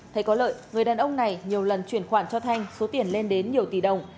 thấy có lợi người đàn ông này nhiều lần chuyển khoản cho thanh số tiền lên đến nhiều tỷ đồng